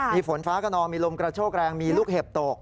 มีฝนฟ้ากระนองมีลมกระโชกแรงมีลูกเห็บตก